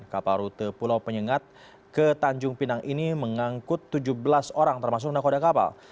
kapal rute pulau penyengat ke tanjung pinang ini mengangkut tujuh belas orang termasuk nakoda kapal